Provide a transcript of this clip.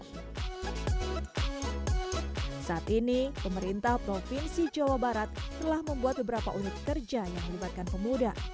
saat ini pemerintah provinsi jawa barat telah membuat beberapa unit kerja yang melibatkan pemuda